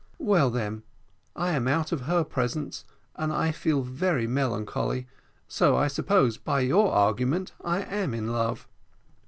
"Well, then, I am out of her presence, and I feel very melancholy, so I suppose, by your argument, I am in love.